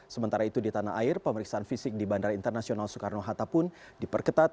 sementara itu di tanah air pemeriksaan fisik di bandara internasional soekarno hatta pun diperketat